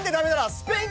「スペイン」